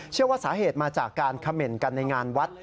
เชื่อว่าสาเหตุมาจากการเขม่นกันในงานวัด